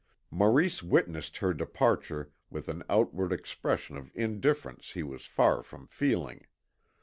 Maurice witnessed her departure with an outward expression of indifference he was far from feeling.